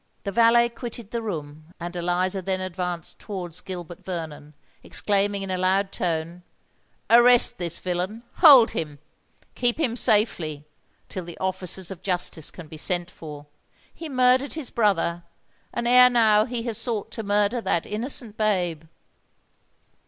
The valet quitted the room; and Eliza then advanced towards Gilbert Vernon, exclaiming in a loud tone, "Arrest this villain—hold him—keep him safely, till the officers of justice can be sent for. He murdered his brother; and ere now he has sought to murder that innocent babe!"